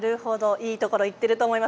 いいところいっていると思います。